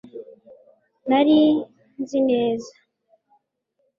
Nari nzi neza